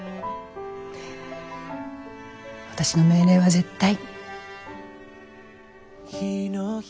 私の命令は絶対。